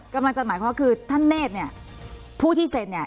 กำลังจะหมายความว่าคือท่านเนธเนี่ยผู้ที่เซ็นเนี่ย